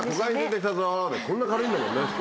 こんな軽いんだもんね。